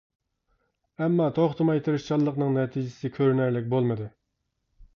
ئەمما توختىماي تىرىشچانلىقنىڭ نەتىجىسى كۆرۈنەرلىك بولمىدى.